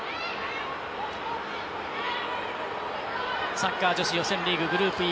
サッカー女子予選リーググループＥ